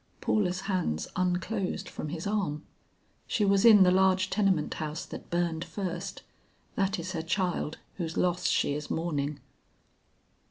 Paula's hands unclosed from his arm. "She was in the large tenement house that burned first; that is her child whose loss she is mourning."